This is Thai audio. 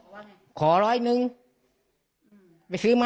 ไม่ให้เหรอเออบอกขอกันว่าไงขอร้อยหนึ่งอืมไปซื้อมา